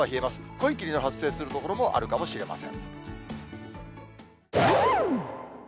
濃い霧の発生する所もあるかもしれません。